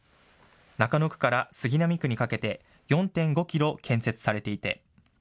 中野区から杉並区にかけて４．５キロ建設されていて。